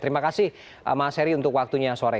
terima kasih mas heri untuk waktunya sore